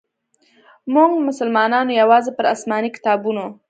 موږ مسلمانانو یوازي پر اسماني کتابونو.